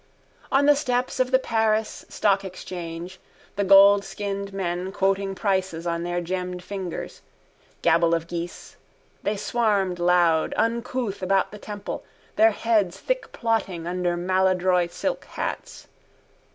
On the steps of the Paris stock exchange the goldskinned men quoting prices on their gemmed fingers. Gabble of geese. They swarmed loud, uncouth about the temple, their heads thickplotting under maladroit silk hats.